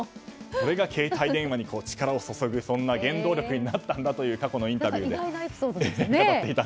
それが携帯電話に力を注ぐ原動力なったという過去のインタビューです。